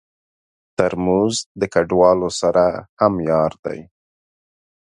ترموز د کډوالو سره هم یار دی.